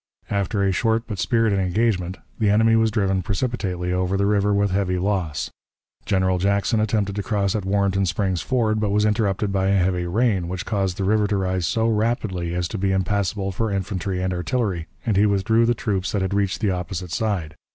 After a short but spirited engagement, the enemy was driven precipitately over the river with heavy loss. General Jackson attempted to cross at Warrenton Springs Ford, but was interrupted by a heavy rain, which caused the river to rise so rapidly as to be impassable for infantry and artillery, and he withdrew the troops that had reached the opposite side.